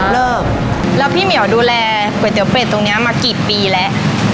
เลิกแล้วพี่เหมียวดูแลก๋วยเตี๋ยเป็ดตรงนี้มากี่ปีแล้ว